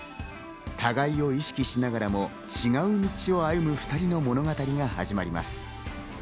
互いを意識しながらも違う道を歩む２人の物語が始まります。